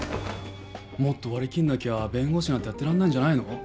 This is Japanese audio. もっと割り切んなきゃ弁護士なんてやってらんないんじゃないの？